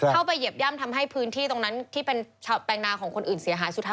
เหยียบย่ำทำให้พื้นที่ตรงนั้นที่เป็นชาวแปลงนาของคนอื่นเสียหายสุดท้าย